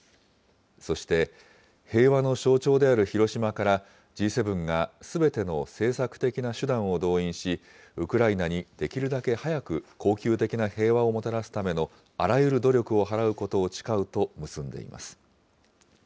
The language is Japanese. そして、平和の象徴である広島から、Ｇ７がすべての政策的な手段を動員し、ウクライナにできるだけ早く恒久的な平和をもたらすためのあらゆる努力を払うことを誓うと結んでいます。